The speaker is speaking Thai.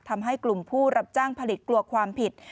ทำให้กลุ่มผู้รับจ้างผลิตกลัวความผิด